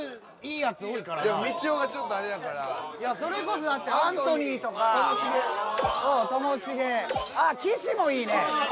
もうみちおがちょっとあれやからいやそれこそだってアントニーとかともしげおおともしげああ岸もいいね・